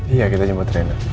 iya kita jemput rena